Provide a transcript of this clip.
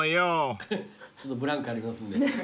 ちょっとブランクありますんで。